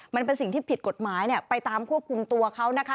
มันเป็นสิ่งที่ผิดกฎหมายไปตามควบคุมตัวเขานะคะ